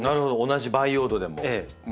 同じ培養土でも。